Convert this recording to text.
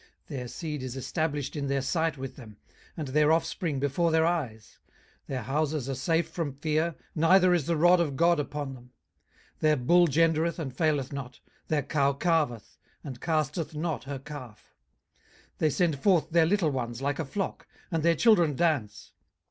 18:021:008 Their seed is established in their sight with them, and their offspring before their eyes. 18:021:009 Their houses are safe from fear, neither is the rod of God upon them. 18:021:010 Their bull gendereth, and faileth not; their cow calveth, and casteth not her calf. 18:021:011 They send forth their little ones like a flock, and their children dance.